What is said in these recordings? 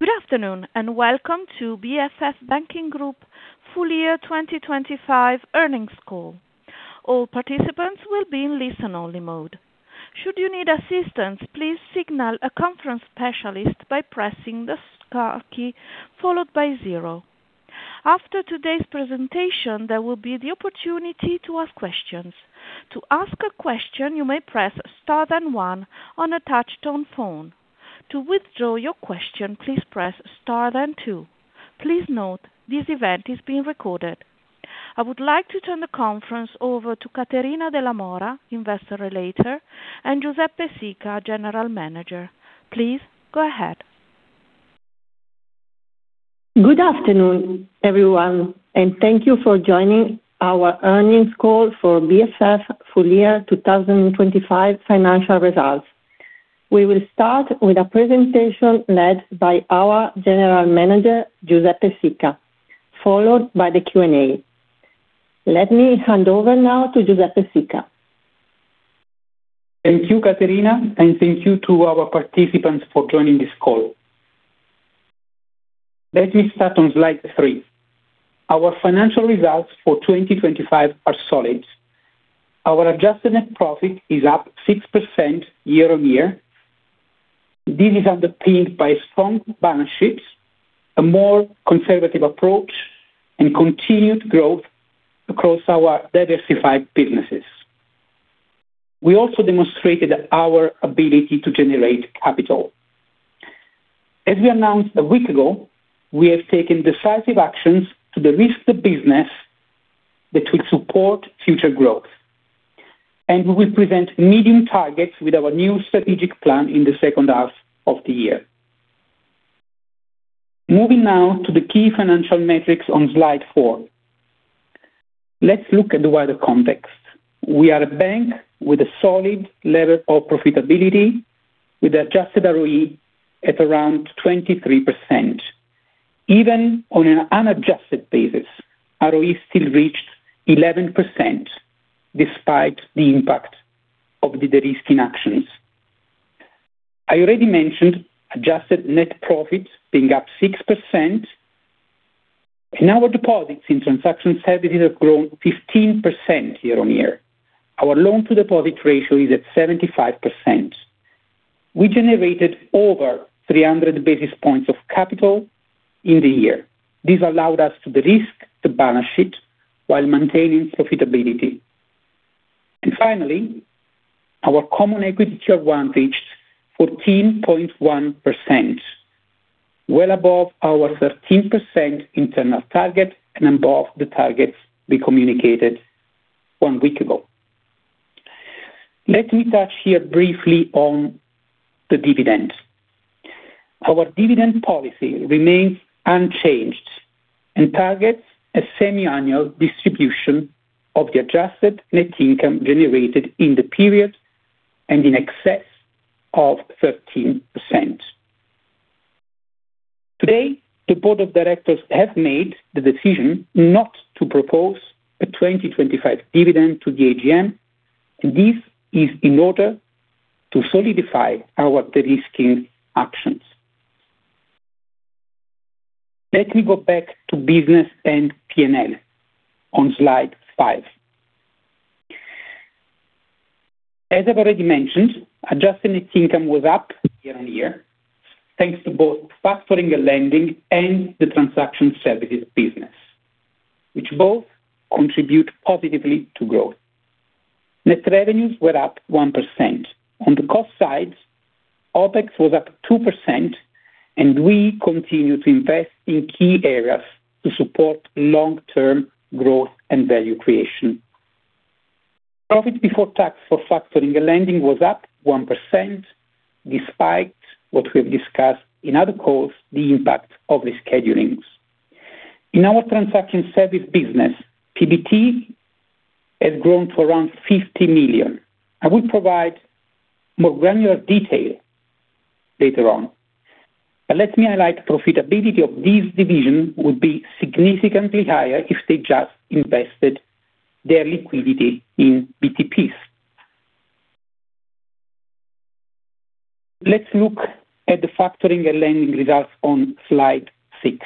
Good afternoon, and welcome to BFF Banking Group Full-Year 2025 Earnings Call. All participants will be in listen-only mode. Should you need assistance, please signal a conference specialist by pressing the star key, followed by zero. After today's presentation, there will be the opportunity to ask questions. To ask a question, you may press Star, then one on a touchtone phone. To withdraw your question, please press Star, then two. Please note, this event is being recorded. I would like to turn the conference over to Caterina Della Mora, Investor Relations, and Giuseppe Sica, General Manager. Please go ahead. Good afternoon, everyone, and thank you for joining our earnings call for BFF Full-Year 2025 financial results. We will start with a presentation led by our General Manager, Giuseppe Sica, followed by the Q&A. Let me hand over now to Giuseppe Sica. Thank you, Caterina, and thank you to our participants for joining this call. Let me start on slide three. Our financial results for 2025 are solid. Our adjusted net profit is up 6% year-over-year. This is underpinned by strong balance sheets, a more conservative approach, and continued growth across our diversified businesses. We also demonstrated our ability to generate capital. As we announced a week ago, we have taken decisive actions to de-risk the business that will support future growth, and we will present medium targets with our new strategic plan in the second half of the year. Moving now to the key financial metrics on slide four. Let's look at the wider context. We are a bank with a solid level of profitability, with adjusted ROE at around 23%. Even on an unadjusted basis, ROE still reached 11%, despite the impact of the de-risking actions. I already mentioned adjusted net profits being up 6%, and our deposits in Transaction Services have grown 15% year-on-year. Our loan-to-deposit ratio is at 75%. We generated over 300 basis points of capital in the year. This allowed us to de-risk the balance sheet while maintaining profitability. And finally, our Common Equity Tier 1 reached 14.1%, well above our 13% internal target and above the targets we communicated one week ago. Let me touch here briefly on the dividend. Our dividend policy remains unchanged and targets a semiannual distribution of the adjusted net income generated in the period and in excess of 13%. Today, the board of directors has made the decision not to propose a 2025 dividend to the AGM, and this is in order to solidify our de-risking actions. Let me go back to business and P&L on slide five. As I've already mentioned, adjusted net income was up year-on-year, thanks to both Factoring and Lending and the Transaction Services business, which both contribute positively to growth. Net revenues were up 1%. On the cost side, OpEx was up 2%, and we continue to invest in key areas to support long-term growth and value creation. Profit before tax for Factoring and Lending was up 1%, despite what we've discussed in other calls, the impact of reschedulings. In our Transaction Service business, PBT has grown to around 50 million. I will provide more granular detail later on, but let me highlight profitability of these divisions would be significantly higher if they just invested their liquidity in BTPs. Let's look at the Factoring and Lending results on slide six.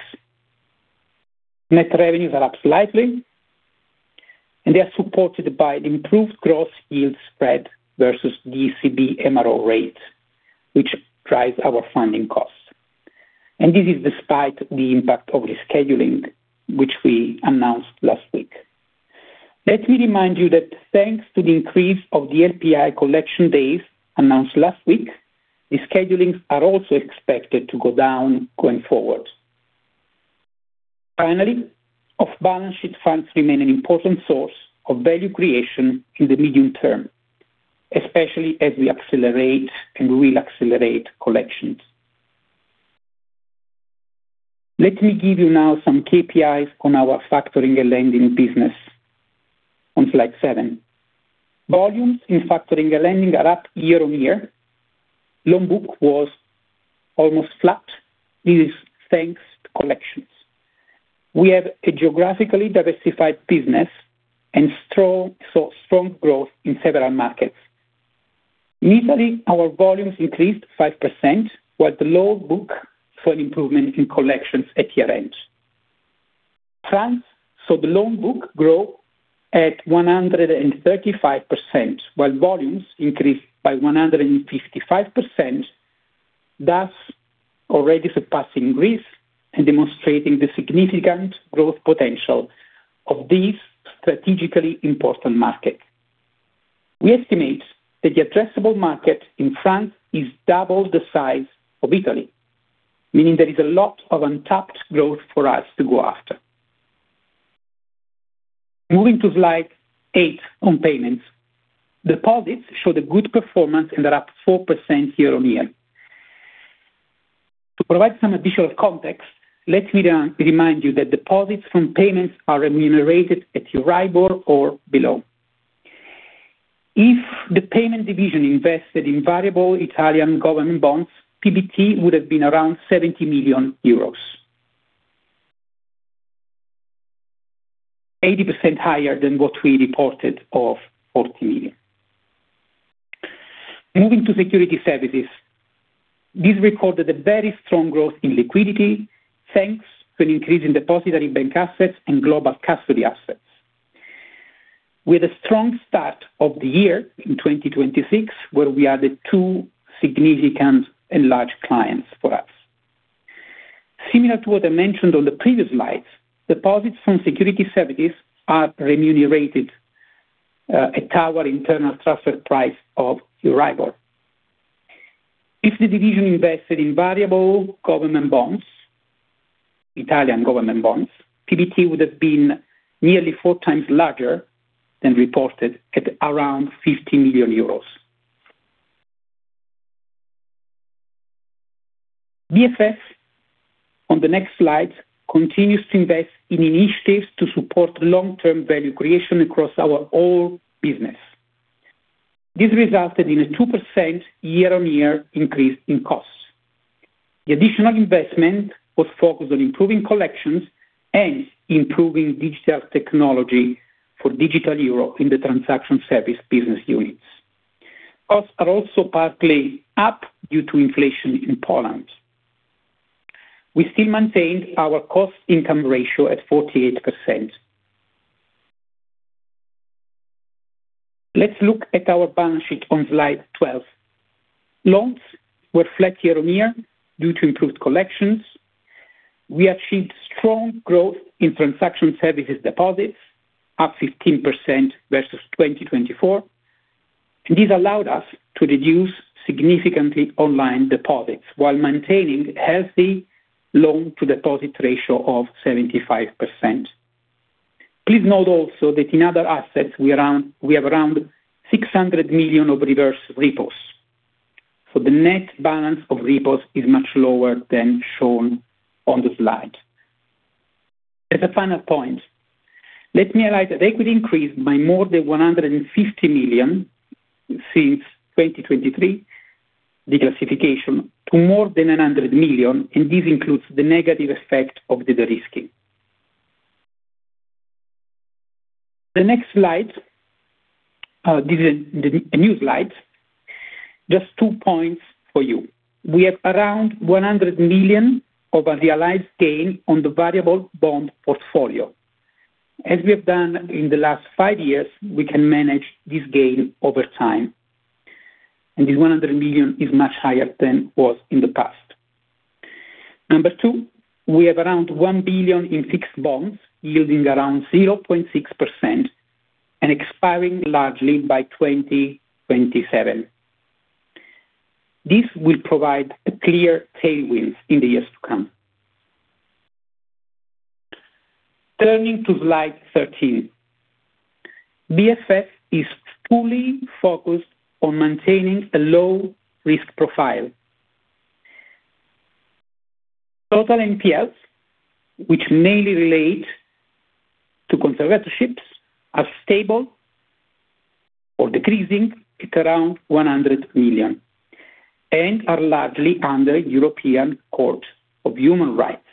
Net revenues are up slightly, and they are supported by improved gross yield spread versus ECB MRO rates, which drives our funding costs. And this is despite the impact of rescheduling, which we announced last week. Let me remind you that thanks to the increase of the LPI collection days announced last week, reschedulings are also expected to go down going forward. Finally, off-balance sheet funds remain an important source of value creation in the medium term, especially as we accelerate and will accelerate collections. Let me give you now some KPIs on our Factoring and Lending business on slide seven. Volumes in Factoring and Lending are up year-on-year. Loan book was almost flat. This is thanks to collections. We have a geographically diversified business and strong, so strong growth in several markets. In Italy, our volumes increased 5%, while the loan book saw an improvement in collections at year-end. France, so the loan book grew at 135%, while volumes increased by 155%, thus already surpassing Greece and demonstrating the significant growth potential of this strategically important market. We estimate that the addressable market in France is double the size of Italy, meaning there is a lot of untapped growth for us to go after. Moving to slide eight on payments. Deposits showed a good performance and are up 4% year-on-year. To provide some additional context, let me remind you that deposits from Payments are remunerated at Euribor or below. If the Payments division invested in variable Italian government bonds, PBT would have been around 70 million euros. 80% higher than what we reported of 40 million. Moving to Securities Services. This recorded a very strong growth in liquidity, thanks to an increase in Depositary Bank Assets and Global Custody Assets. With a strong start of the year in 2026, where we added two significant and large clients for us. Similar to what I mentioned on the previous slides, deposits from Securities Services are remunerated at our internal transfer price of Euribor. If the division invested in variable government bonds, Italian government bonds, PBT would have been nearly four times larger than reported at around 50 million euros. BFF, on the next slide, continues to invest in initiatives to support long-term value creation across our whole business. This resulted in a 2% year-on-year increase in costs. The additional investment was focused on improving collections and improving digital technology for Digital Euro in the Transaction Service business units. Costs are also partly up due to inflation in Poland. We still maintained our cost-income ratio at 48%. Let's look at our balance sheet on slide 12. Loans were flat year-on-year due to improved collections. We achieved strong growth in Transaction Services deposits, up 15% versus 2024, and this allowed us to reduce significantly online deposits while maintaining healthy loan-to-deposit ratio of 75%. Please note also that in other assets, we have around 600 million of reverse repos, so the net balance of repos is much lower than shown on the slide. As a final point, let me highlight that equity increased by more than 150 million since 2023, reclassification, to more than 100 million, and this includes the negative effect of the de-risking. The next slide, this is a new slide. Just two points for you. We have around 100 million of unrealized gain on the variable bond portfolio. As we have done in the last five years, we can manage this gain over time, and this 100 million is much higher than it was in the past. Number two, we have around 1 billion in fixed bonds, yielding around 0.6% and expiring largely by 2027. This will provide a clear tailwind in the years to come. Turning to slide 13. BFF is fully focused on maintaining a low risk profile. Total NPLs, which mainly relate to conservatorships, are stable or decreasing at around 100 million, and are largely under European Court of Human Rights,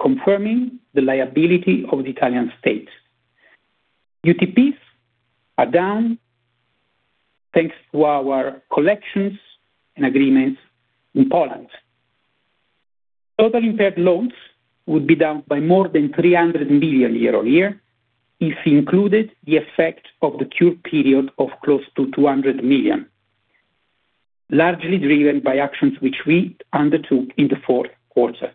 confirming the liability of the Italian state. UTPs are down, thanks to our collections and agreements in Poland. Total impaired loans would be down by more than 300 million euro year-on-year, if included, the effect of the cure period of close to 200 million, largely driven by actions which we undertook in the fourth quarter.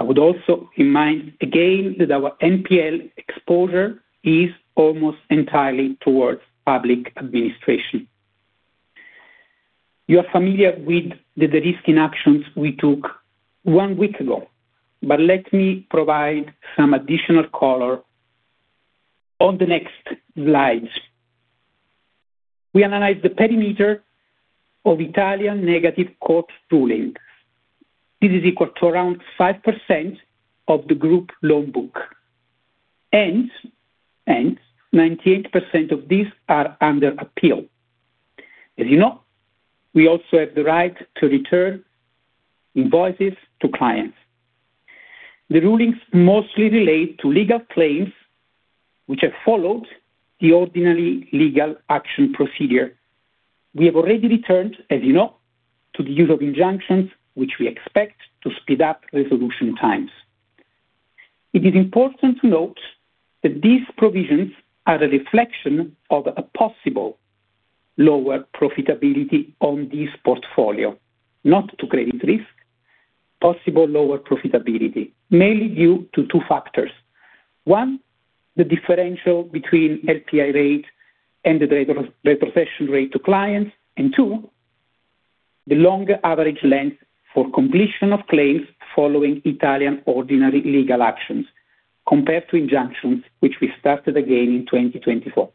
I would also remind again, that our NPL exposure is almost entirely towards public administration. You are familiar with the de-risking actions we took one week ago, but let me provide some additional color on the next slides. We analyzed the perimeter of Italian negative court rulings. This is equal to around 5% of the group loan book, and 98% of these are under appeal. As you know, we also have the right to return invoices to clients. The rulings mostly relate to legal claims, which have followed the ordinary legal action procedure. We have already returned, as you know, to the use of injunctions, which we expect to speed up resolution times. It is important to note that these provisions are a reflection of a possible lower profitability on this portfolio, not to credit risk. Possible lower profitability, mainly due to two factors. One, the differential between LPI rate and the rate of, the cession rate to clients, and two, the longer average length for completion of claims following Italian ordinary legal actions, compared to injunctions, which we started again in 2024.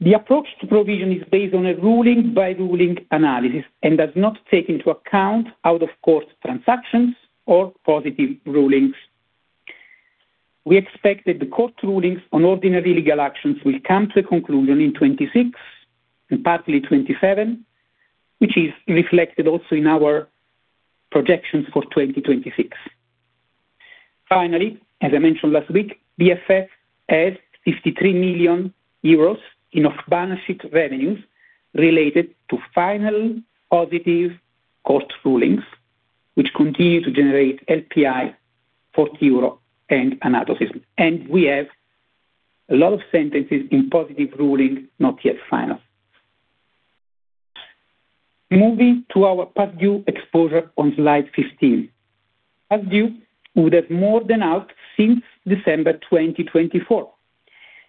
The approach to provision is based on a ruling by ruling analysis and does not take into account out of court transactions or positive rulings. We expect that the court rulings on ordinary legal actions will come to a conclusion in 2026 and partly 2027, which is reflected also in our projections for 2026. Finally, as I mentioned last week, BFF has 53 million euros in off-balance sheet revenues related to final positive court rulings, which continue to generate LPI, 40 euro and anatocism, and we have a lot of sentences in positive ruling, not yet final. Moving to our past due exposure on slide 15. Past due would have more than out since December 2024,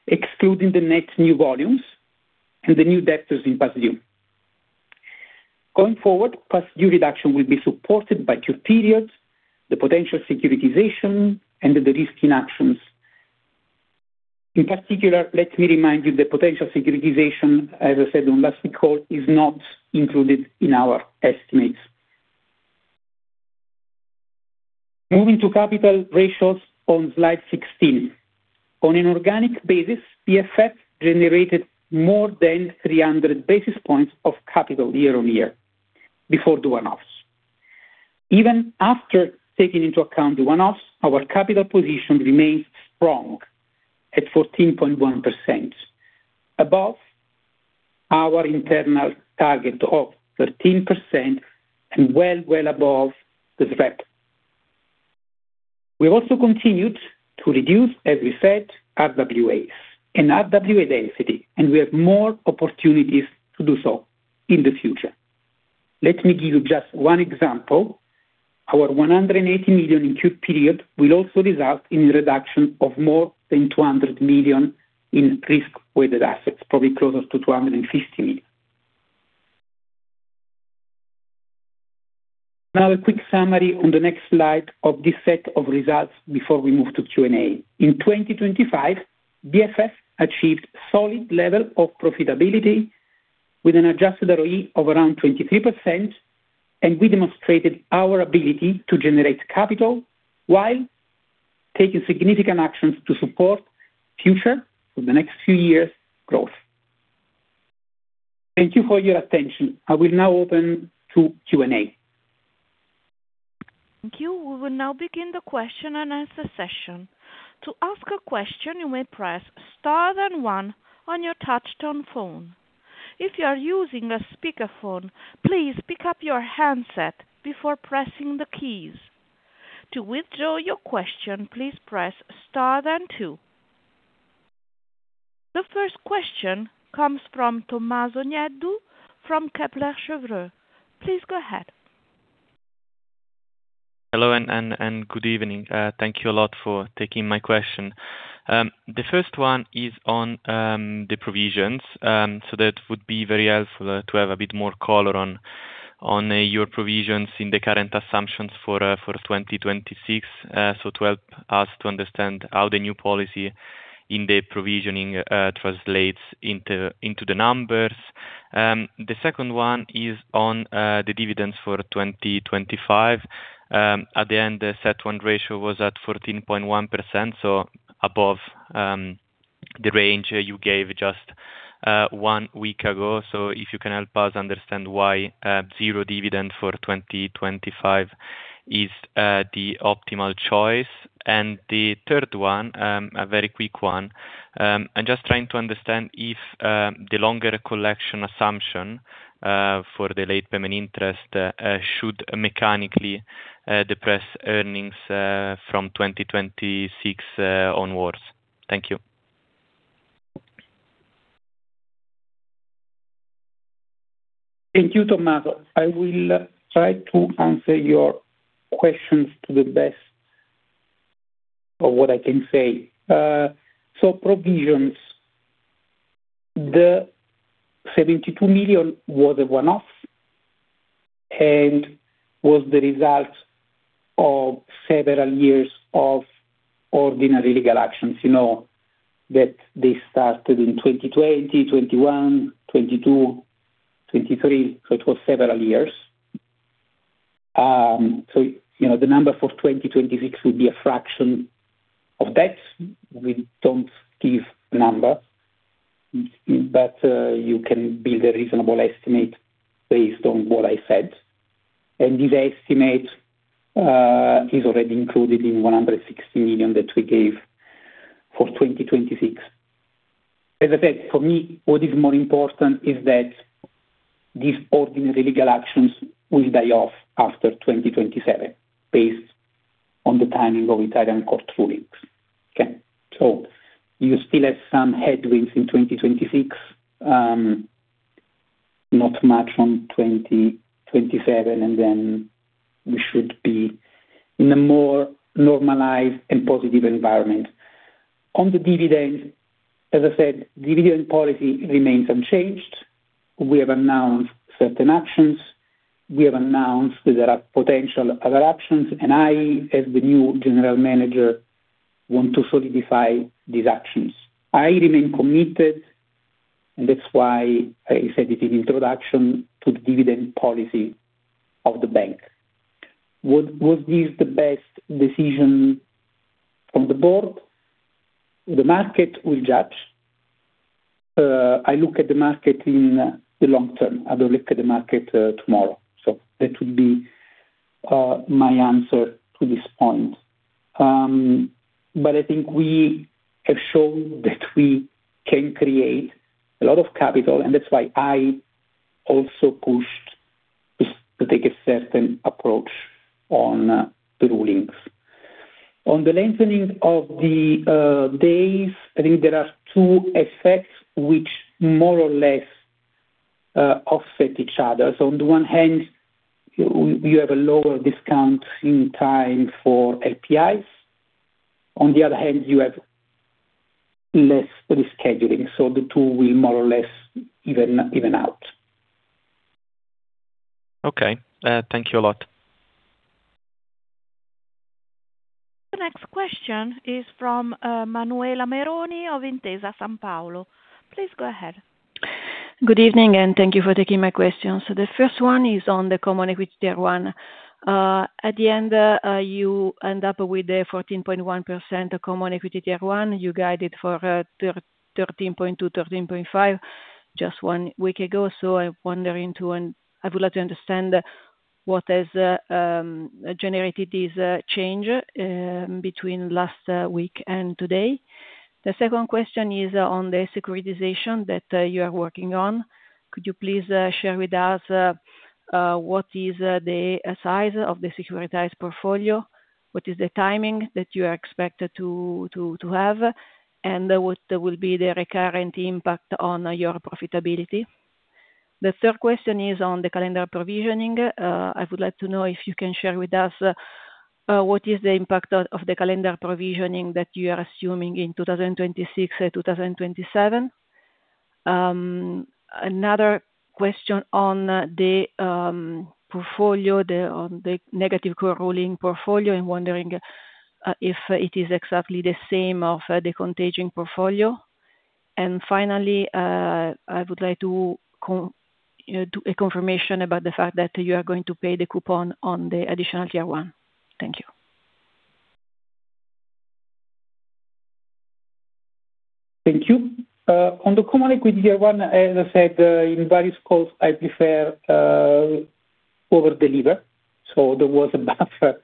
excluding the next new volumes and the new debtors in past due. Going forward, past due reduction will be supported by two periods: the potential securitization and the de-risking actions. In particular, let me remind you, the potential securitization, as I said on last week call, is not included in our estimates. Moving to capital ratios on slide 16. On an organic basis, BFF generated more than 300 basis points of capital year-on-year before the one-offs. Even after taking into account the one-offs, our capital position remains strong at 14.1%, above our internal target of 13% and well, well above the threshold. We've also continued to reduce, as we said, RWAs and RWA density, and we have more opportunities to do so in the future. Let me give you just one example. Our 180 million in cure period will also result in a reduction of more than 200 million in risk-weighted assets, probably closer to 250 million. Now, a quick summary on the next slide of this set of results before we move to Q&A. In 2025, BFF achieved solid level of profitability with an adjusted ROE of around 23%, and we demonstrated our ability to generate capital while taking significant actions to support future, for the next few years, growth. Thank you for your attention. I will now open to Q&A. Thank you. We will now begin the question-and-answer session. To ask a question, you may press star then one on your touch-tone phone. If you are using a speakerphone, please pick up your handset before pressing the keys. To withdraw your question, please press star, then two. The first question comes from Tommaso Nieddu, from Kepler Cheuvreux. Please go ahead. Hello, good evening. Thank you a lot for taking my question. The first one is on the provisions, so that would be very helpful to have a bit more color on your provisions in the current assumptions for 2026. So to help us to understand how the new policy in the provisioning translates into the numbers. The second one is on the dividends for 2025. At the end, the CET1 ratio was at 14.1%, so above the range you gave just one week ago. So if you can help us understand why zero dividend for 2025 is the optimal choice. And the third one, a very quick one. I'm just trying to understand if the longer collection assumption for the late payment interest should mechanically depress earnings from 2026 onwards. Thank you. Thank you, Tommaso. I will try to answer your questions to the best of what I can say. So provisions, the 72 million was a one-off and was the result of several years of ordinary legal actions. You know, that they started in 2020, 2021, 2022, 2023, so it was several years.... So, you know, the number for 2026 will be a fraction of that. We don't give numbers, but, you can build a reasonable estimate based on what I said. And this estimate, is already included in 160 million that we gave for 2026. As I said, for me, what is more important is that these ordinary legal actions will die off after 2027, based on the timing of Italian court rulings. Okay, so you still have some headwinds in 2026, not much on 2027, and then we should be in a more normalized and positive environment. On the dividend, as I said, dividend policy remains unchanged. We have announced certain actions. We have announced that there are potential other options, and I, as the new general manager, want to solidify these actions. I remain committed, and that's why I said it in introduction to the dividend policy of the bank. Would, would this the best decision from the board? The market will judge. I look at the market in the long term. I don't look at the market, tomorrow, so that would be, my answer to this point. But I think we have shown that we can create a lot of capital, and that's why I also pushed to take a certain approach on the rulings. On the lengthening of the days, I think there are two effects which more or less offset each other. So on the one hand, you have a lower discount in time for APIs. On the other hand, you have less rescheduling, so the two will more or less even out. Okay. Thank you a lot. The next question is from Manuela Meroni of Intesa Sanpaolo. Please go ahead. Good evening, and thank you for taking my question. So the first one is on the Common Equity Tier 1. At the end, you end up with a 14.1% Common Equity Tier 1. You guided for 13.2, 13.5, just one week ago. So I'm wondering to and I would like to understand what has generated this change between last week and today. The second question is on the securitization that you are working on. Could you please share with us what is the size of the securitized portfolio? What is the timing that you are expected to have, and what will be the recurrent impact on your profitability? The third question is on the calendar provisioning. I would like to know if you can share with us what is the impact of the calendar provisioning that you are assuming in 2026 and 2027. Another question on the portfolio, the negative court ruling portfolio. I'm wondering if it is exactly the same of the contagion portfolio. And finally, I would like to, you know, do a confirmation about the fact that you are going to pay the coupon on the additional tier one. Thank you. Thank you. On the Common Equity Tier 1, as I said, in various calls, I prefer over-deliver, so there was a buffer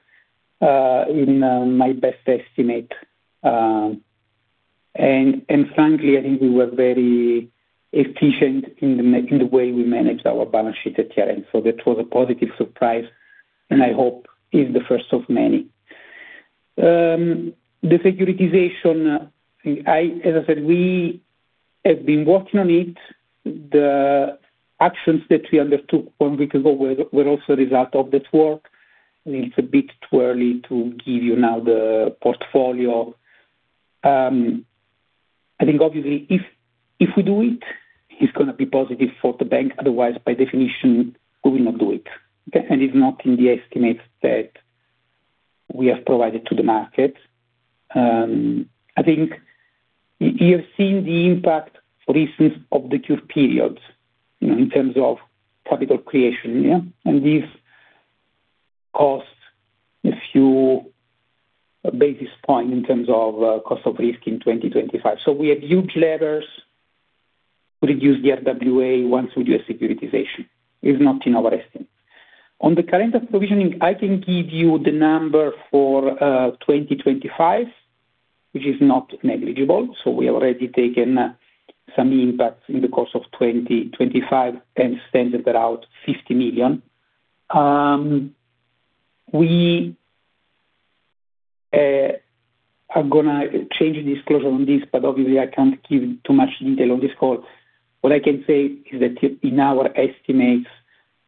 in my best estimate. And frankly, I think we were very efficient in the way we managed our balance sheet at the end, so that was a positive surprise, and I hope is the first of many. The securitization, as I said, we have been working on it. The actions that we undertook one week ago were also a result of this work. It's a bit too early to give you now the portfolio. I think obviously, if we do it, it's gonna be positive for the bank, otherwise, by definition, we will not do it. Okay, and it's not in the estimates that we have provided to the market. I think you have seen the recent impact of the two periods, you know, in terms of capital creation, yeah. This costs a few basis points in terms of cost of risk in 2025. So we have huge levers to reduce the RWA once we do a securitization, is not in our estimate. On the current provisioning, I can give you the number for 2025, which is not negligible, so we already taken some impact in the course of 2025, and stands at 50 million. We are gonna change the disclosure on this, but obviously I can't give too much detail on this call. What I can say is that in our estimates,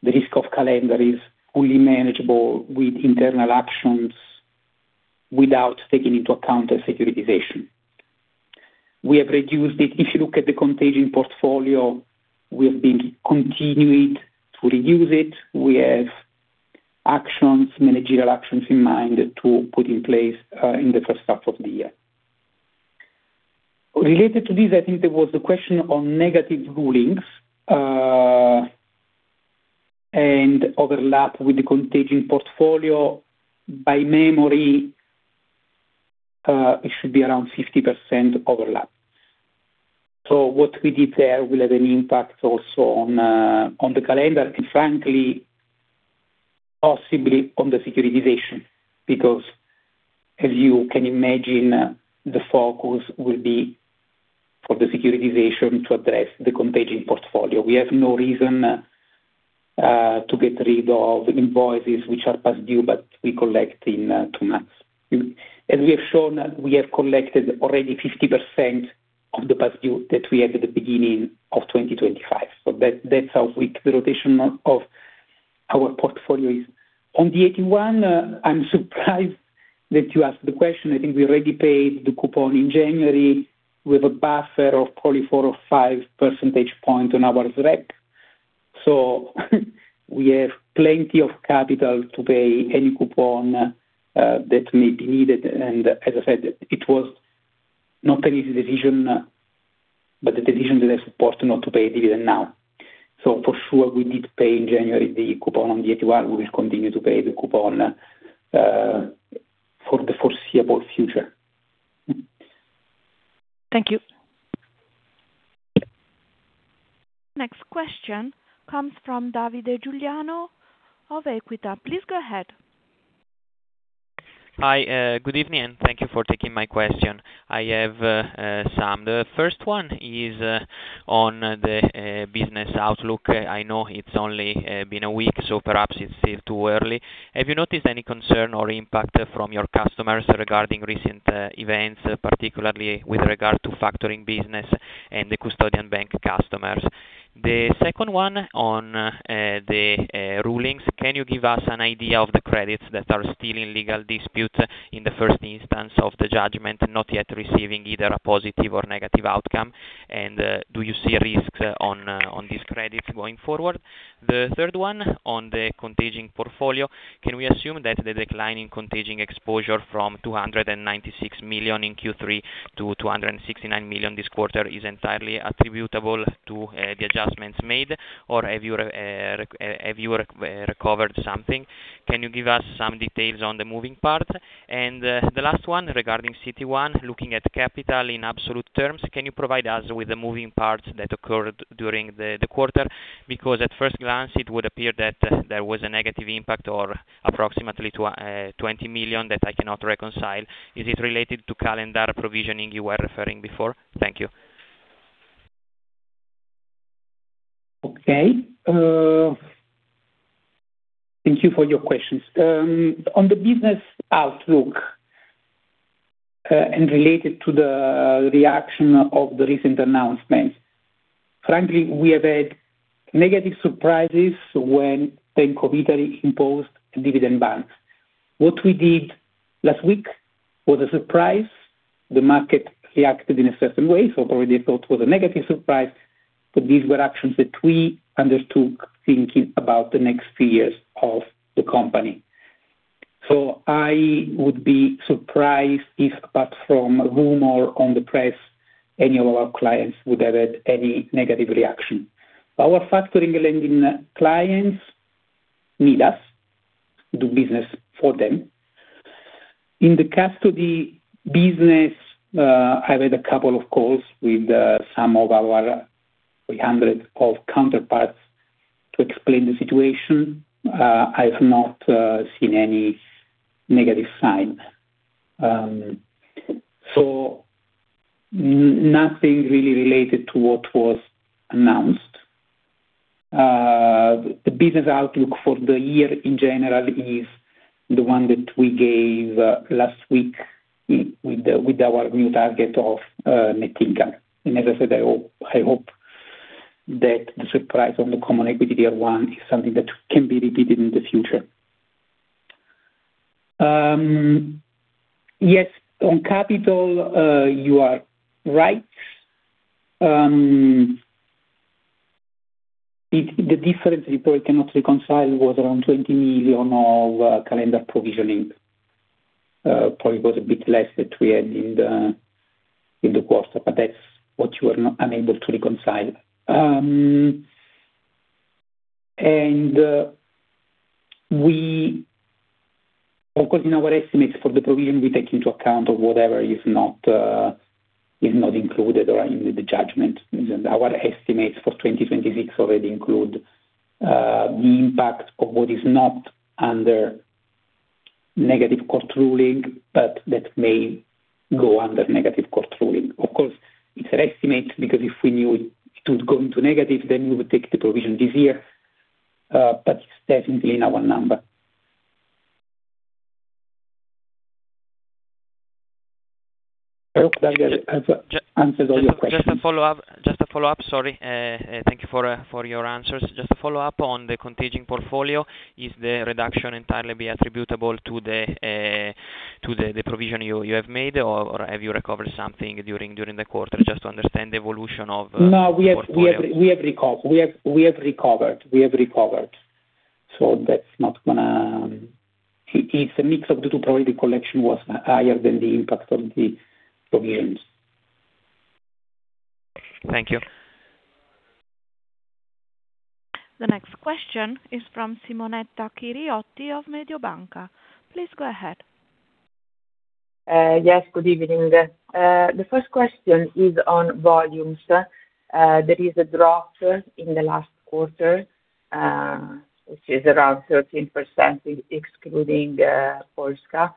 the risk of collateral is fully manageable with internal actions, without taking into account the securitization. We have reduced it. If you look at the contagion portfolio, we have been continuing to reduce it. We have actions, managerial actions in mind to put in place in the first half of the year. Related to this, I think there was the question on negative rulings and overlap with the contagion portfolio. By memory, it should be around 50% overlap. So what we did there will have an impact also on the calendar, and frankly, possibly on the securitization. Because as you can imagine, the focus will be for the securitization to address the contagion portfolio. We have no reason to get rid of invoices, which are past due, but we collect in two months. As we have shown, we have collected already 50% of the past due that we had at the beginning of 2025. So that, that's how weak the rotation of our portfolio is. On the AT1, I'm surprised that you asked the question. I think we already paid the coupon in January with a buffer of probably 4 or 5 percentage points on our Req. So we have plenty of capital to pay any coupon that may be needed. And as I said, it was not an easy decision, but the decision that I support not to pay a dividend now. So for sure, we need to pay in January the coupon on the AT1. We will continue to pay the coupon for the foreseeable future. Thank you. Next question comes from Davide Giuliano of Equita. Please go ahead. Hi, good evening, and thank you for taking my question. I have some. The first one is on the business outlook. I know it's only been a week, so perhaps it's still too early. Have you noticed any concern or impact from your customers regarding recent events, particularly with regard to factoring business and the custodian bank customers? The second one on the rulings, can you give us an idea of the credits that are still in legal dispute in the first instance of the judgment, not yet receiving either a positive or negative outcome? And do you see a risk on on these credits going forward? The third one, on the contagion portfolio, can we assume that the decline in contagion exposure from 296 million in Q3 to 269 million this quarter is entirely attributable to the adjustments made, or have you recovered something? Can you give us some details on the moving part? And the last one, regarding CET1, looking at capital in absolute terms, can you provide us with the moving parts that occurred during the quarter? Because at first glance, it would appear that there was a negative impact of approximately 20 million that I cannot reconcile. Is it related to calendar provisioning you were referring before? Thank you. Okay, thank you for your questions. On the business outlook, and related to the reaction of the recent announcements, frankly, we have had negative surprises when Bank of Italy imposed dividend bans. What we did last week was a surprise. The market reacted in a certain way, so already I thought it was a negative surprise, but these were actions that we understood, thinking about the next few years of the company. So I would be surprised if, apart from rumor on the press, any of our clients would have had any negative reaction. Our factoring lending clients need us, do business for them. In the custody business, I've had a couple of calls with some of our 300-odd counterparts to explain the situation. I've not seen any negative signs. So nothing really related to what was announced. The business outlook for the year in general is the one that we gave last week with, with the, with our new target of net income. And as I said, I hope, I hope that the surprise on the Common Equity Tier 1 is something that can be repeated in the future. Yes, on capital, you are right. It, the difference report cannot reconcile was around 20 million of calendar provisioning. Probably was a bit less that we had in the, in the quarter, but that's what you are not unable to reconcile. We, of course, in our estimates for the provision, we take into account of whatever is not is not included or in the judgment. Our estimates for 2026 already include the impact of what is not under negative court ruling, but that may go under negative court ruling. Of course, it's an estimate, because if we knew it, it would go into negative, then we would take the provision this year, but it's definitely in our number. I hope that answers all your questions. Just a follow-up. Just a follow-up, sorry. Thank you for your answers. Just a follow-up on the contagion portfolio. Is the reduction entirely be attributable to the provision you have made, or have you recovered something during the quarter? Just to understand the evolution of- No, we have recovered. So that's not gonna, it, it's a mix of due to probably the collection was higher than the impact of the gains. Thank you. The next question is from Simonetta Chiriotti of Mediobanca. Please go ahead. Yes, good evening. The first question is on volumes. There is a drop in the last quarter, which is around 13%, excluding Poland.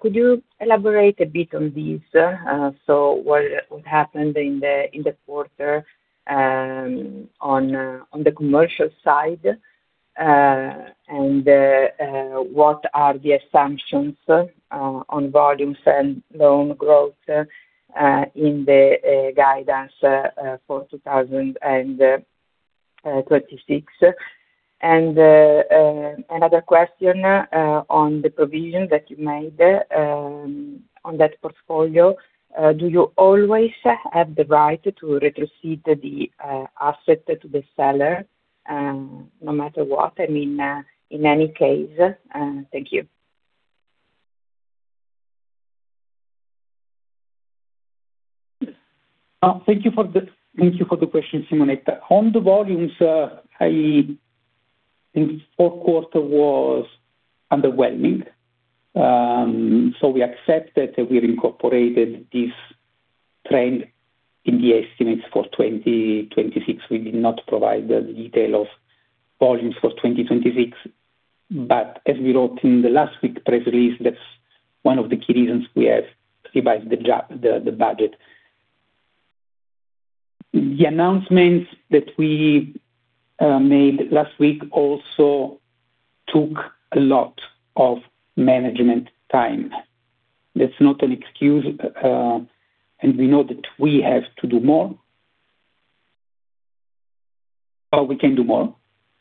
Could you elaborate a bit on this? So what happened in the quarter on the commercial side? And what are the assumptions on volumes and loan growth in the guidance for 2026? And another question on the provision that you made on that portfolio, do you always have the right to retrocede the asset to the seller, no matter what? I mean, in any case. Thank you. Thank you for the question, Simonetta. On the volumes, I think fourth quarter was underwhelming. So we accept that we've incorporated this trend in the estimates for 2026. We did not provide the detail of volumes for 2026, but as we wrote in the last week's press release, that's one of the key reasons we have revised the budget. The announcements that we made last week also took a lot of management time. That's not an excuse, and we know that we have to do more. Or we can do more.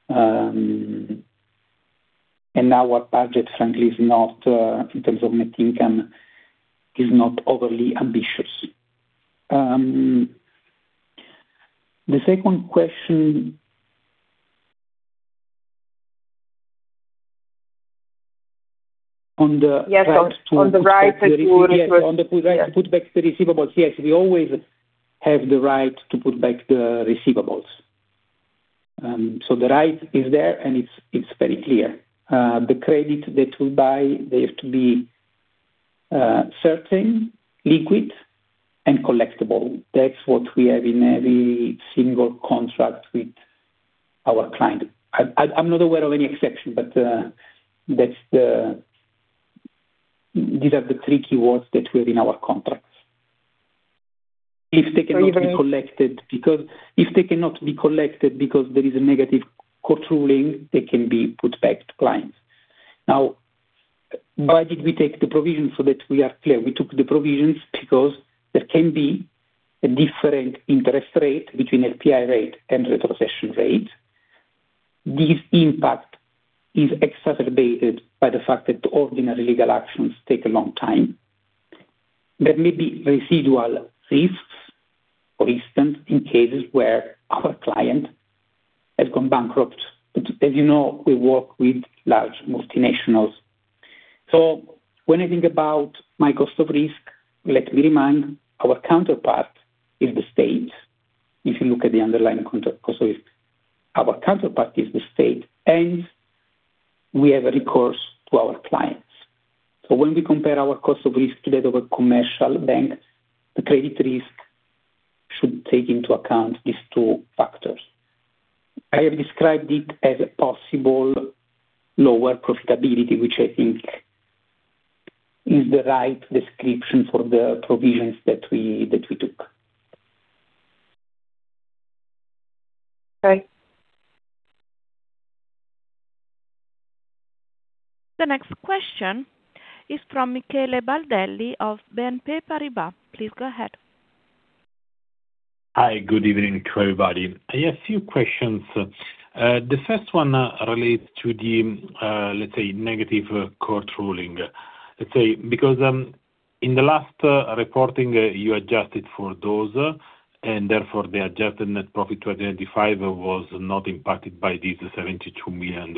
And our budget, frankly, in terms of net income, is not overly ambitious. The second question on the, Yes, on the right to, On the right to put back the receivables, yes, we always have the right to put back the receivables. So the right is there, and it's very clear. The credit that we buy, they have to be certain, liquid, and collectible. That's what we have in every single contract with our client. I'm not aware of any exception, but that's the. These are the three keywords that we have in our contracts. If they cannot be collected because there is a negative court ruling, they can be put back to clients. Now, why did we take the provision so that we are clear? We took the provisions because there can be a different interest rate between LPI rate and retrocession rate. This impact is exacerbated by the fact that ordinary legal actions take a long time. There may be residual risks, for instance, in cases where our client has gone bankrupt, but as you know, we work with large multinationals. So when I think about my cost of risk, let me remind, our counterpart is the state. If you look at the underlying cost of risk, our counterpart is the state, and we have a recourse to our clients. So when we compare our cost of risk to that of a commercial bank, the credit risk should take into account these two factors. I have described it as a possible lower profitability, which I think is the right description for the provisions that we took. Okay. The next question is from Michele Baldelli of BNP Paribas. Please go ahead. Hi, good evening to everybody. I have a few questions. The first one relates to the, let's say, negative court ruling. Let's say, because in the last reporting, you adjusted for those, and therefore, the adjusted net profit to identify was not impacted by this EUR 72 million.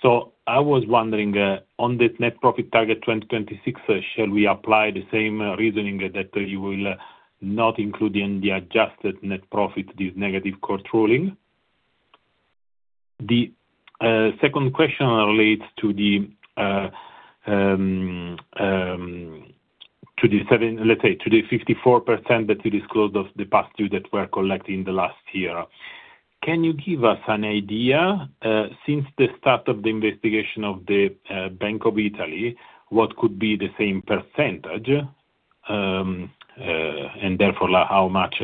So I was wondering, on this net profit target 2026, shall we apply the same reasoning that you will not include in the adjusted net profit, this negative court ruling? The second question relates to the 54% that you disclosed of the Past Due that were collected in the last year. Can you give us an idea, since the start of the investigation of the Bank of Italy, what could be the same percentage? Therefore, how much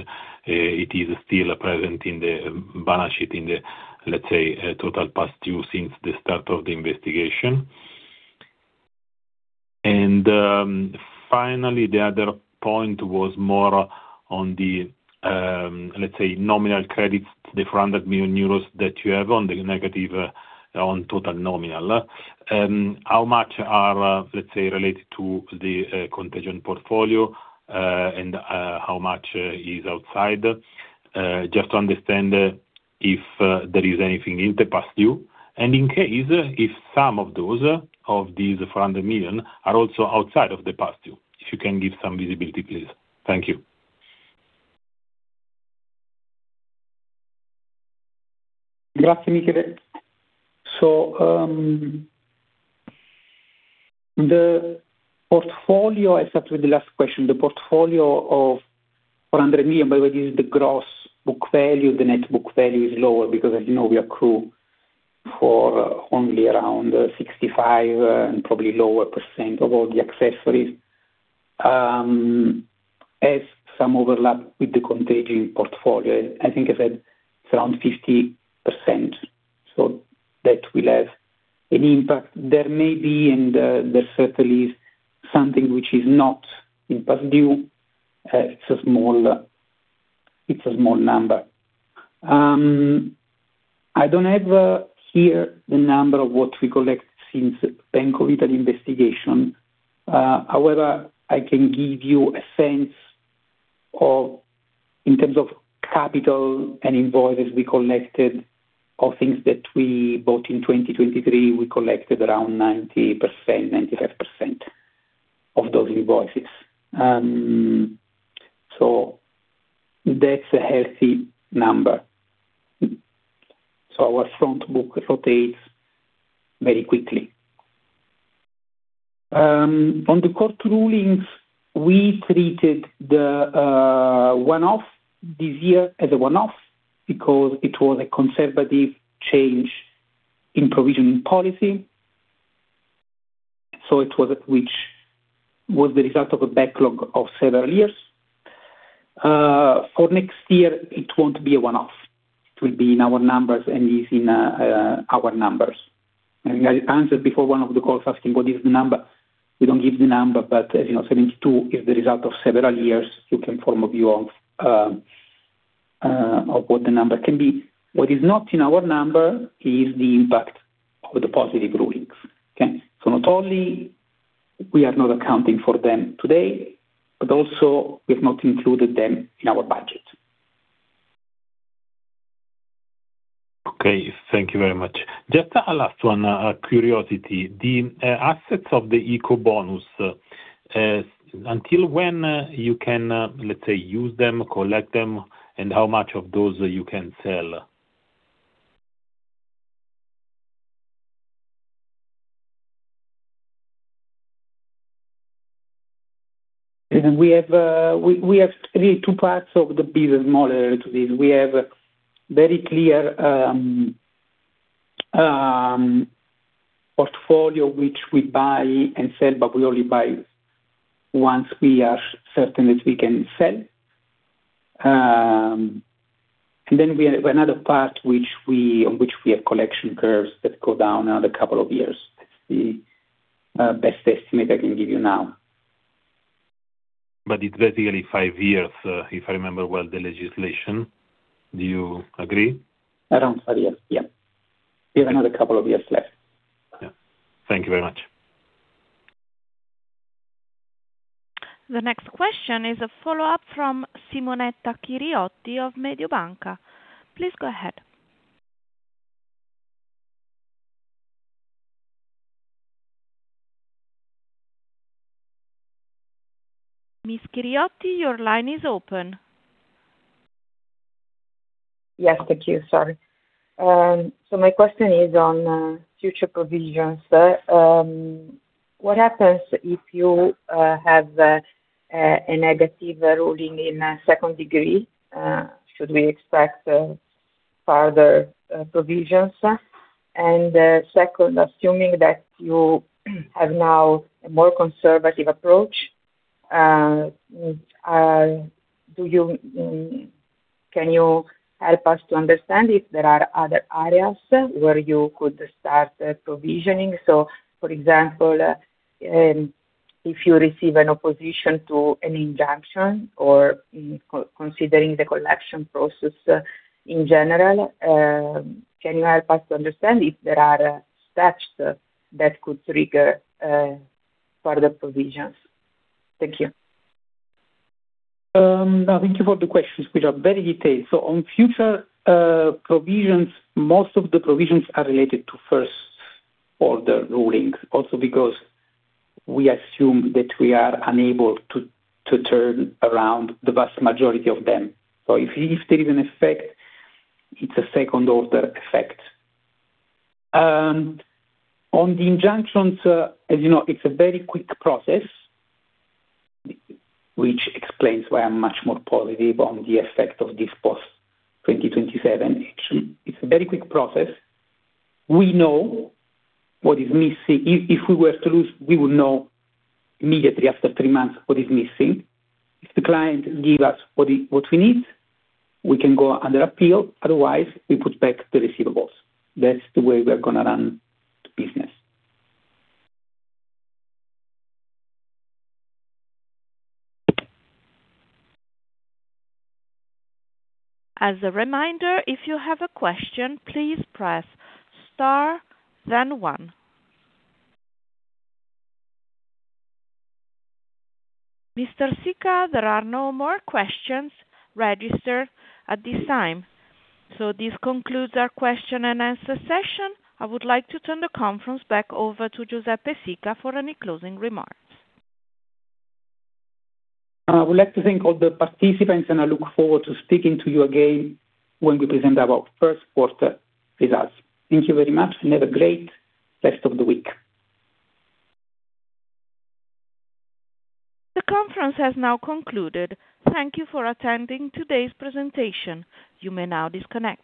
it is still present in the balance sheet, in the, let's say, total past due since the start of the investigation. Finally, the other point was more on the, let's say, nominal credits, the 400 million euros that you have on the negative, on total nominal. How much are, let's say, related to the contagion portfolio, and how much is outside? Just to understand the... if there is anything in the past due, and in case if some of those, of these 400 million are also outside of the past due. If you can give some visibility, please. Thank you. So, the portfolio, I start with the last question. The portfolio of 400 million, but what is the gross book value? The net book value is lower because as you know, we accrue for only around 65% and probably lower percent of all the accessories. As some overlap with the contagion portfolio, I think I said it's around 50%, so that will have an impact. There may be, and, there certainly is something which is not in past due. It's a small, it's a small number. I don't have, here the number of what we collect since Bank of Italy investigation. However, I can give you a sense of in terms of capital and invoices we collected, of things that we bought in 2023, we collected around 90%-95% of those invoices. So that's a healthy number. So our front book rotates very quickly. On the court rulings, we treated the one-off this year as a one-off because it was a conservative change in provisioning policy. So it was, which was the result of a backlog of several years. For next year, it won't be a one-off. It will be in our numbers and is in our numbers. And I answered before one of the calls asking: "What is the number?" We don't give the number, but as you know, 72 is the result of several years. You can form a view of what the number can be. What is not in our number is the impact of the positive rulings. Okay? So not only we are not accounting for them today, but also we have not included them in our budget. Okay, thank you very much. Just a last one, a curiosity. The assets of the Ecobonus, until when you can, let's say, use them, collect them, and how much of those you can sell? We have really two parts of the business model to this. We have very clear portfolio, which we buy and sell, but we only buy once we are certain that we can sell. And then we have another part which we have collection curves that go down another couple of years. That's the best estimate I can give you now. But it's basically five years, if I remember well, the legislation. Do you agree? Around five years, yeah. We have another couple of years left. Yeah. Thank you very much. The next question is a follow-up from Simonetta Chiriotti of Mediobanca. Please go ahead. Ms. Chiriotti, your line is open. Yes, thank you. Sorry. So my question is on future provisions. What happens if you have a negative ruling in second degree? Should we expect further provisions? And second, assuming that you have now a more conservative approach, do you. Can you help us to understand if there are other areas where you could start provisioning? So, for example, if you receive an opposition to an injunction, or considering the collection process in general, can you help us to understand if there are steps that could trigger further provisions? Thank you. Thank you for the questions, which are very detailed. So on future provisions, most of the provisions are related to first order rulings, also because we assume that we are unable to turn around the vast majority of them. So if there is an effect, it's a second order effect. On the injunctions, as you know, it's a very quick process, which explains why I'm much more positive on the effect of this post-2027. It's a very quick process. We know what is missing. If we were to lose, we would know immediately after three months what is missing. If the client give us what we need, we can go under appeal, otherwise we put back the receivables. That's the way we are going to run the business. As a reminder, if you have a question, please press star, then one. Mr. Sica, there are no more questions registered at this time. So this concludes our question-and-answer session. I would like to turn the conference back over to Giuseppe Sica for any closing remarks. I would like to thank all the participants, and I look forward to speaking to you again when we present our first quarter results. Thank you very much, and have a great rest of the week. The conference has now concluded. Thank you for attending today's presentation. You may now disconnect.